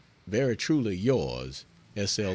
Very truly yours, S. L.